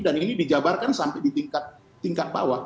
dan ini dijabarkan sampai di tingkat bawah